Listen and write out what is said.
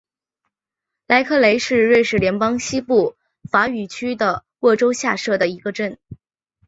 莱克雷是瑞士联邦西部法语区的沃州下设的一个镇。